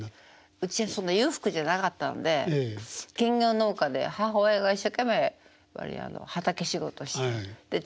うちはそんな裕福じゃなかったんで兼業農家で母親が一生懸命畑仕事してで父親が外で働いて。